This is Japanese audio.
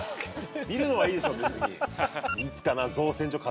見るのはいいでしょう別に。